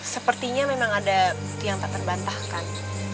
sepertinya memang ada bukit yang tak terbantah kan